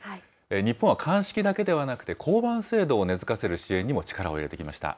日本は鑑識だけではなくて、交番制度を根づかせる支援にも力を入れてきました。